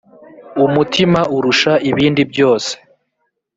umutima urusha ibindi byose